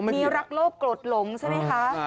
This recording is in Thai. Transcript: มีรักโลกโกรธหลงใช่ไหมคะ